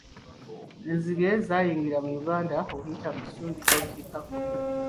Enzige zaayingira Uganda okuyita mu kitundu ky'obukiikakkono.